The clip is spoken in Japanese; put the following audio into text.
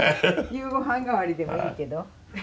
夕ご飯代わりでもいいけど。